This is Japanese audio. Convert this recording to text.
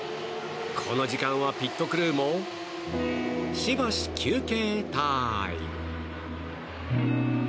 この時間はピットクルーもしばし休憩タイム。